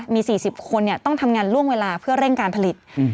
มี๔๐คนต้องทำงานล่วงเวลาเพื่อเร่งการผลิต